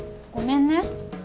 ごめんね。